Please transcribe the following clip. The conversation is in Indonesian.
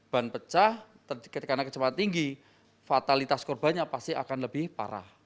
ban pecah karena kecepatan tinggi fatalitas korbannya pasti akan lebih parah